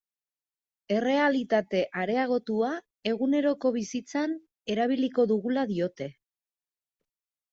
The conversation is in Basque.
Errealitate areagotua eguneroko bizitzan erabiliko dugula diote.